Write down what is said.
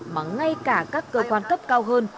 mà ngay cả các cơ quan cấp cao hơn